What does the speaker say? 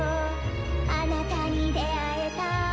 「あなたに出会えた」